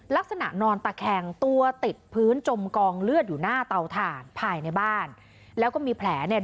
นอนตะแคงตัวติดพื้นจมกองเลือดอยู่หน้าเตาถ่านภายในบ้านแล้วก็มีแผลเนี่ย